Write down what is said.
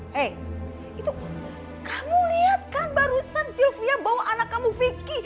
hei itu kamu lihat kan barusan sylvia bawa anak kamu fikih